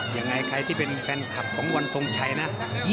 ยังไงใครที่เป็นแฟนคลับของวันทรงชัยนะ